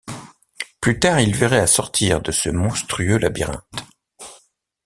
Plus tard, il verrait à sortir de ce montueux labyrinthe.